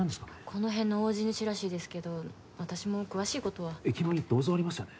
この辺の大地主らしいですけど私も詳しいことは駅前に銅像ありますよね